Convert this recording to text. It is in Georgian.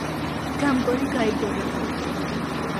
გამგონი გაიგონებსო